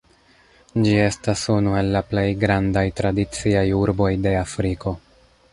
Ĝi estas unu el la plej grandaj tradiciaj urboj de Afriko.